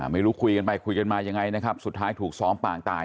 ไม่รู้คุยกันไปคุยกันมายังไงนะครับสุดท้ายถูกซ้อมปางตาย